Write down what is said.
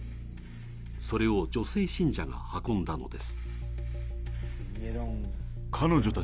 それを女性信者が運んだのです。